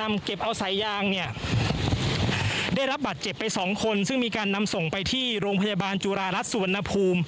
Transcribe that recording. นำเก็บเอาสายยางเนี่ยได้รับบัตรเจ็บไป๒คนซึ่งมีการนำส่งไปที่โรงพยาบาลจุฬารัฐสุวรรณภูมิ